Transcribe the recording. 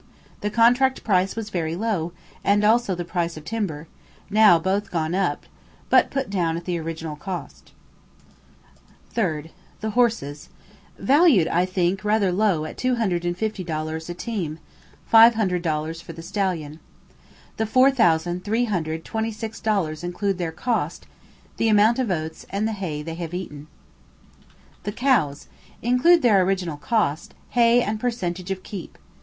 The contract price was very low, and also the price of timber; now both gone up, but put down at the original cost. 3rd. The Horses. Valued, I think, rather low at 250 dollars a team; 500 dollars for the stallion. The 4,326 dollars include their cost; the amount of oats and hay they have eaten. The Cows. Include their original cost, hay and percentage of keep.